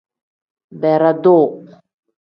Beredu.